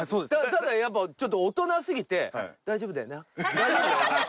ただやっぱちょっと大人すぎて「大丈夫だよな？大丈夫だよな？」